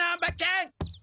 ん？